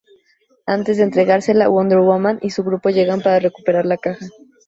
Antes de entregársela, Wonder Woman y su grupo llegan para recuperar la caja.